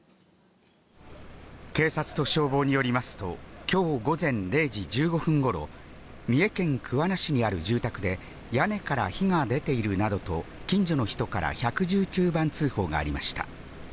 警察と消防によりますと今日午前０時１５分頃、三重県桑名市にある住宅で屋根から火が出ているなどと近所の人から１１９番通報がありました。